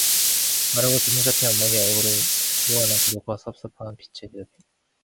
마르고 주름 잡힌 어머니의 얼굴은 무한한 고독과 섭섭한 빛에 뒤덮인다.